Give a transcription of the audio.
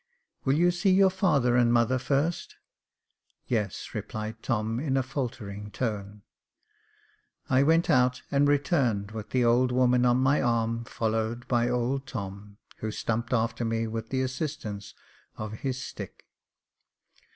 "Will you see your father and mother first?'* " Yes," replied Tom, in a faltering tone. I went out, and returned with the old woman on my arm, followed by old Tom, who stumped after me with the Jacob Faithful 415 assistance of his stick.